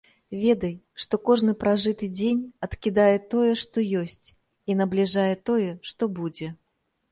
Ведай, што кожны пражыты дзень адкідае тое, што ёсць, і набліжае тое, што будзе.